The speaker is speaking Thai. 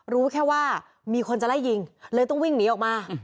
รู้แค่ว่ามีคนจะไล่ยิงเลยต้องวิ่งหนีออกมา